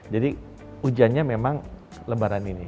jadi ujiannya memang lebaran ini